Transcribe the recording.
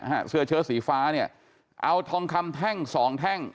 ฮะเสื้อเชื้อสีฟ้าเนี่ยเอาทองคำแท่งสองแท่ง